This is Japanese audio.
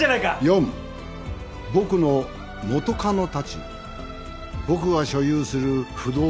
「四僕の元カノたち僕が所有する不動産」